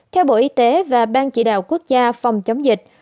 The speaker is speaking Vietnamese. theo bộ y tế và ban chỉ đạo quốc gia phòng chống dịch